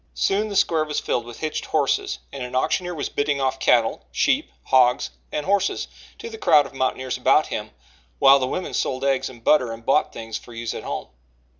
Soon the square was filled with hitched horses, and an auctioneer was bidding off cattle, sheep, hogs and horses to the crowd of mountaineers about him, while the women sold eggs and butter and bought things for use at home.